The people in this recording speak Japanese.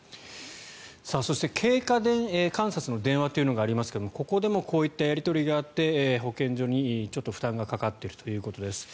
そして経過観察の電話というのがありますがここでもこういったやり取りがあって保健所にちょっと負担がかかっているということです。